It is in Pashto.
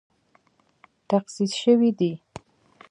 تخصیص شوې دي